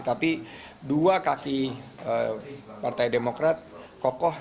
tapi dua kaki partai demokrat kokoh